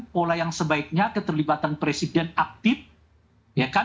pola yang sebaiknya keterlibatan presiden aktif ya kan